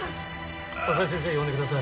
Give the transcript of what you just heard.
佐々井先生呼んでください。